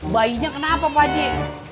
bayinya kenapa pakcik